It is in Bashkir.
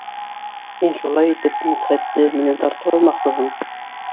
Һин, шулай итеп, Мидхәтте минән тартып алмаҡсыһың!